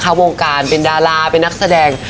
วงการเป็นดาราเป็นนักแสดง